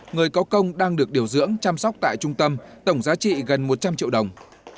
người có công đang được điều dưỡng chăm sóc tại trung tâm tổng giá trị gần một trăm linh triệu đồng